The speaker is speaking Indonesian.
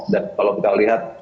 dan kalau kita lihat